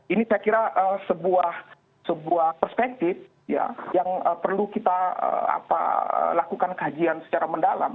ini saya kira sebuah perspektif yang perlu kita lakukan kajian secara mendalam